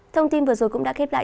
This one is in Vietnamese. thông tin vừa rồi cũng đã kết lại